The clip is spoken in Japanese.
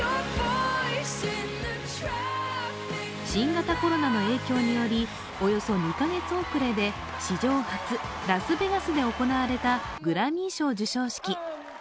新型コロナの影響によりおよそ２カ月遅れで史上初、ラスベガスで行われたグラミー賞授賞式。